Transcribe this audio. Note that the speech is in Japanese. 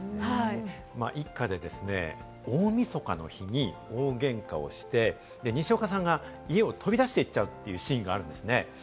一家で大みそかの日に大喧嘩をして、にしおかさんが家を飛び出していっちゃうというシーンがあるんですね。